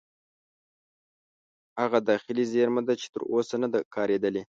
هغه داخلي زیرمه ده چې تر اوسه نه ده کارېدلې.